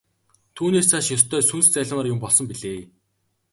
Түүнээс цааш ёстой сүнс зайлмаар юм болсон билээ.